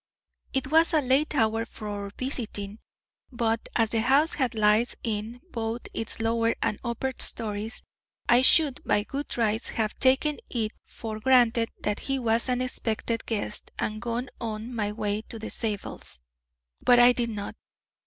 "It was a late hour for visiting, but as the house had lights in both its lower and upper stories, I should by good rights have taken it for granted that he was an expected guest and gone on my way to the Zabels'. But I did not.